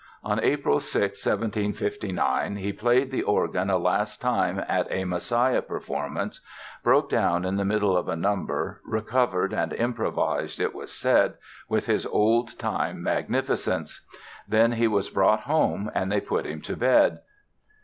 On April 6, 1759, he played the organ a last time at a "Messiah" performance, broke down in the middle of a number, recovered and improvised, it was said, with his old time magnificence. Then he was brought home and they put him to bed.